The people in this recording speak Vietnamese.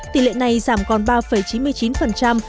tỷ lệ này giảm còn ba chín mươi chín vào năm hai nghìn một mươi